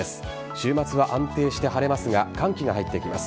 週末は安定して晴れますが寒気が入ってきます。